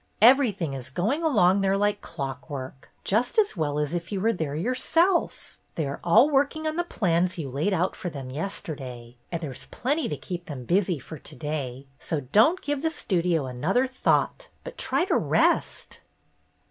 Everything is going along there like clock work, just as well as if you were there your self. They are all working on the plans you laid out for them yesterday, and there's plenty to keep them busy for to day, so don't give the Studio another thought, but try to rest."